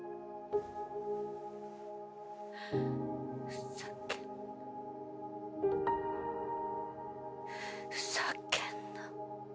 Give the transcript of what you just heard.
ふざけんな。